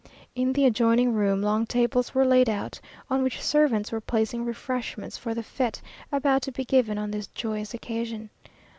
In the adjoining room, long tables were laid out, on which servants were placing refreshments for the fête about to be given on this joyous occasion.